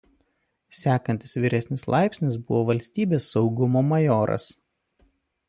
Sekantis vyresnis laipsnis buvo valstybės saugumo majoras.